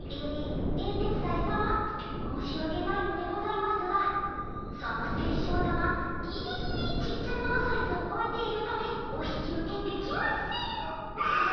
え冷徹斎さま申しわけないのでございますがその水晶玉ギリギリちっちゃいものサイズをこえているためお引き受けできません。